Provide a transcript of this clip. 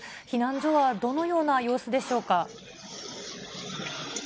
避難所はどのような様子でしょうか。